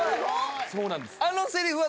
そうなんです。